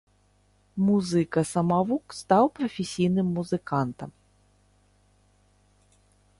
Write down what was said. Музыка-самавук стаў прафесійным музыкантам.